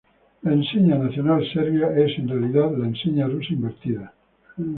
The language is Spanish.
La enseña nacional serbia es, en realidad, la enseña rusa invertida.